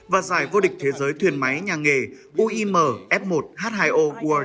và giải vô địch thế giới thuyền máy nhà nghề uim f một h hai o world championship đã thành công